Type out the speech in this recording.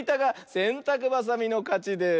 せんたくばさみのかちです！